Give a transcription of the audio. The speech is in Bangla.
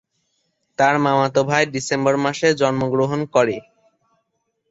তার মামাতো ভাই ডিসেম্বর মাসে জন্মগ্রহণ করে।